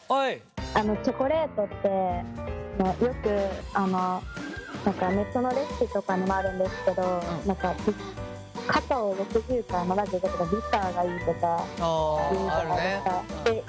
チョコレートってよくネットのレシピとかにもあるんですけどカカオ６０から７０とかビターがいいとかいうじゃないですか。